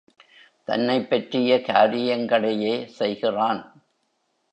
தன்னைப் பற்றிய காரியங்களையே செய்கிறான்.